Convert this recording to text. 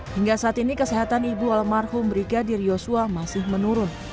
hingga saat ini kesehatan ibu almarhum brigadir yosua masih menurun